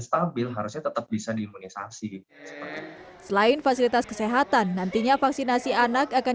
stabil harusnya tetap bisa diimunisasi selain fasilitas kesehatan nantinya vaksinasi anak akan